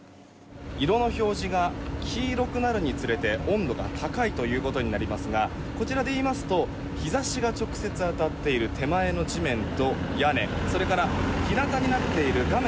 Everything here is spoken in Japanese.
色の表示が黄色くなるにつれて温度が高いということになりますがこちらでいいますと日差しが直接当たっている手前の地面と屋根それから日なたになっている画面